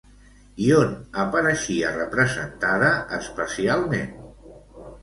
I on apareixia representada, especialment?